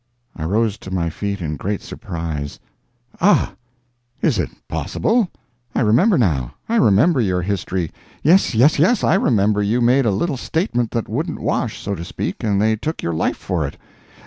I rose to my feet in great surprise: "Ah—is it possible?—I remember now—I remember your history. Yes, yes, yes, I remember you made a little statement that wouldn't wash, so to speak, and they took your life for it.